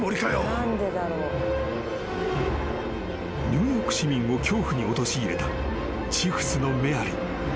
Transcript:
［ニューヨーク市民を恐怖に陥れたチフスのメアリー］